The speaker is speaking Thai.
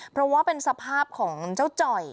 เพราะว่าเป็นสภาพของเจ้าจ่อย